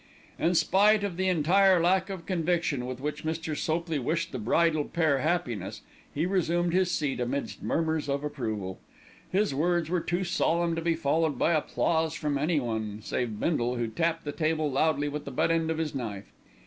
In spite of the entire lack of conviction with which Mr. Sopley wished the bridal pair happiness, he resumed his seat amidst murmurs of approval. His words were too solemn to be followed by applause from anyone save Bindle, who tapped the table loudly with the butt end of his knife.